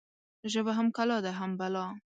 ژبه هم کلا ده هم بلا.